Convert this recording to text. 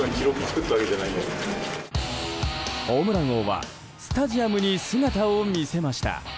ホームラン王はスタジアムに姿を見せました。